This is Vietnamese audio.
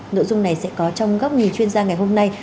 nội dung này sẽ có trong góc nhìn chuyên gia ngày hôm nay